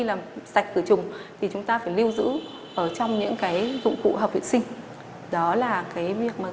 làm sạch cửa trùng thì chúng ta phải lưu giữ ở trong những cái dụng cụ hợp vệ sinh đó là cái việc mà